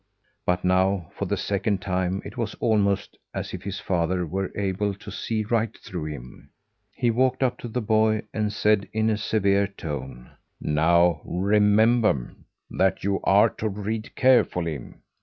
But now, for the second time, it was almost as if his father were able to see right through him. He walked up to the boy, and said in a severe tone: "Now, remember, that you are to read carefully!